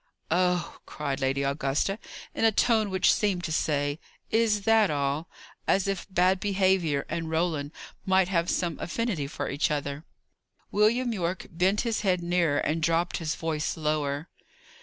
"Oh," cried Lady Augusta, in a tone which seemed to say, "Is that all?" as if bad behaviour and Roland might have some affinity for each other. William Yorke bent his head nearer, and dropped his voice lower.